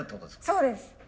そうです。